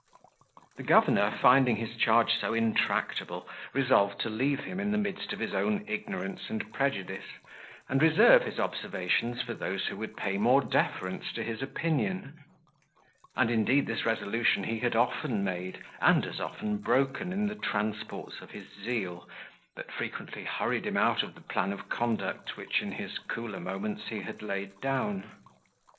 The governor, finding his charge so intractable resolved to leave him in the midst of his own ignorance and prejudice, and reserve his observations for those who would pay more deference to his opinion: and indeed this resolution he had often made, and as often broken in the transports of his zeal, that frequently hurried him out of the plan of conduct which in his cooler moments he had laid down.